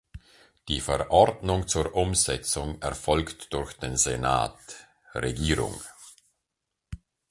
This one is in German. Die Verordnung zur Umsetzung erfolgt durch den Senat (Regierung).